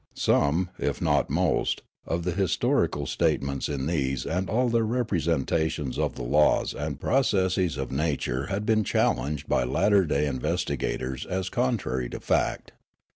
Some, if not most, of the historical statements in these and all of their representations of the laws and processes of nature had been challenged by latter day investigators as contrary to fact.